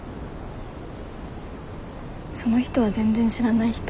その人は全然知らない人。